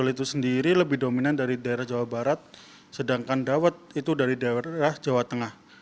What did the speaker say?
tol itu sendiri lebih dominan dari daerah jawa barat sedangkan dawet itu dari daerah jawa tengah